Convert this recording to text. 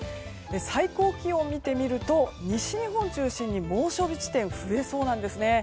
最高気温を見てみると西日本中心に猛暑日地点が増えそうなんです。